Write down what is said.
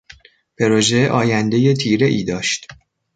پروژه آیندهی تیرهای داشت.